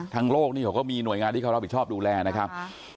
โลกนี่เขาก็มีหน่วยงานที่เขารับผิดชอบดูแลนะครับ